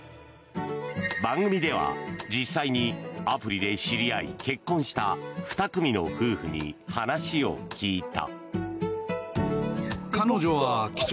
番組では実際にアプリで知り合い結婚した２組の夫婦に話を聞いた。